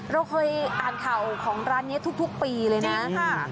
เราเคยอ่านข่าวของร้านนี้ทุกปีเลยนะ